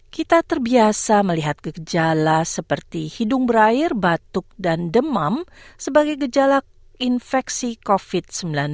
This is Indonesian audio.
kita terbiasa melihat gejala seperti hidung berair batuk dan demam sebagai gejala infeksi covid sembilan belas